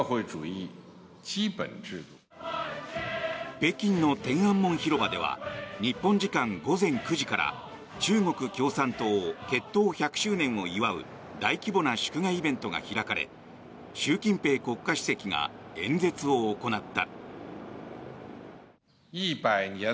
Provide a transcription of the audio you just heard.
北京の天安門広場では日本時間午前９時から中国共産党結党１００周年を祝う大規模な祝賀イベントが開かれ習近平国家主席が演説を行った。